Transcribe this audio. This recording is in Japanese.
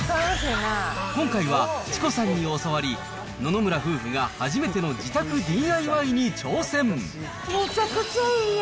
今回はチコさんに教わり、野々村夫婦が初めての自宅ＤＩＹに挑戦。